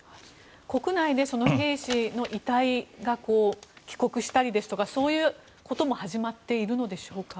国内で兵士の遺体が帰国したりですとかそういうことも始まっているのでしょうか。